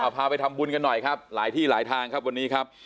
พาไปทำบุญกันหน่อยครับหลายที่หลายทางครับวันนี้ครับ